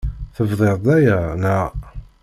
Tebdiḍ-d aya, naɣ?